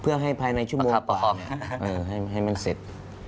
เพื่อให้ภายในชั่วโมงก่อนให้มันเสร็จ